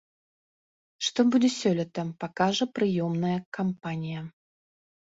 Што будзе сёлета, пакажа прыёмная кампанія.